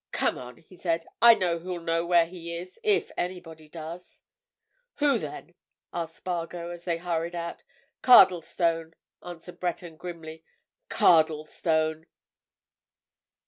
"Come on!" he said. "I know who'll know where he is, if anybody does." "Who, then?" asked Spargo, as they hurried out. "Cardlestone," answered Breton, grimly. "Cardlestone!"